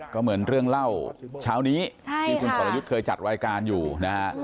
ก็เหมือนเรื่องเล่าเช้านี้ที่คุณสรยุทธ์เคยจัดรายการอยู่นะฮะ